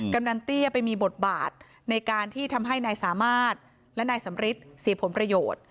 กำนันเตี้ยไปมีบทบาทในการที่ทำให้นายสามารถและนายสำริทเสียผลประโยชน์